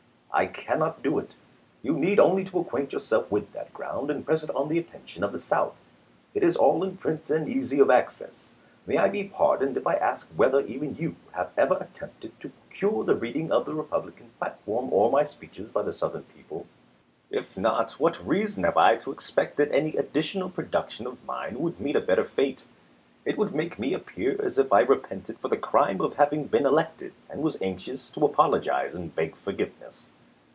I cannot do it. You need only to acquaint yourself with that ground, and press it on the attention of the South. It is all in print and easy of access. May I be pardoned if I ask whether even you have ever attempted to procure the reading of the Republican platform, or my speeches, by the Southern people ? If not, what reason have I to ex pect that any additional production of mine would meet a better fate ? It would make me appear as if I repented for the crime of having been elected and was anxious to apologize and beg forgiveness.